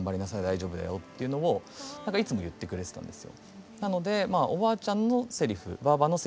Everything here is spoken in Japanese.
大丈夫だよ」っていうのをいつも言ってくれてたんですよ。